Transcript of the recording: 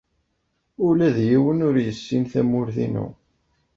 Ula d yiwen ur yessin tamurt-inu.